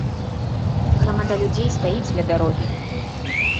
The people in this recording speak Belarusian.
Грамада людзей стаіць ля дарогі.